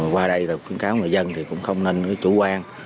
qua đây khuyến cáo người dân cũng không nên chủ quan